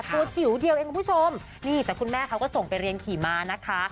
ตัวจิ๋วเดียวเองคุณผู้ชมนี่แต่คุณแม่เขาก็ส่งไปเรียนขี่ม้านะคะ